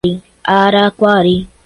Araquari